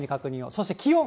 そして気温。